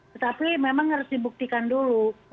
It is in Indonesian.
tetapi memang harus dibuktikan dulu